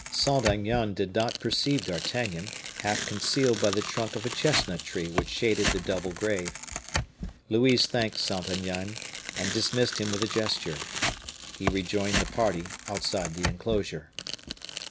Saint Aignan did not perceive D'Artagnan, half concealed by the trunk of a chestnut tree which shaded the double grave. Louise thanked Saint Aignan, and dismissed him with a gesture. He rejoined the party outside the inclosure.